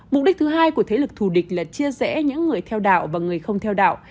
mục đích thứ hai của thế lực thù địch là chia rẽ những người theo đạo và người không theo đạo